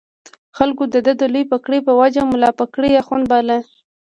خلکو د ده د لویې پګړۍ په وجه ملا پګړۍ اخُند باله.